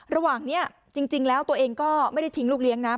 ระหว่างนี้จริงแล้วตัวเองก็ไม่ได้ทิ้งลูกเลี้ยงนะ